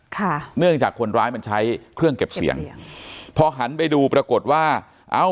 ค่ะเนื่องจากคนร้ายมันใช้เครื่องเก็บเสียงพอหันไปดูปรากฏว่าเอ้า